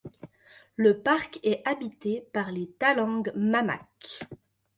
Le parc est habité par les Talang Mamak.